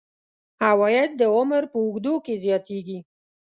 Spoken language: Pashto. عواید د عمر په اوږدو کې زیاتیږي.